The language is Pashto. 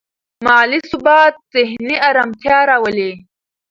مالي ثبات ذهني ارامتیا راولي.